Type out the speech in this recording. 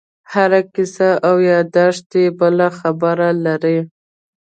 هره کیسه او یادښت یې بله خبره لري.